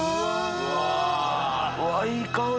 うわっいい香り！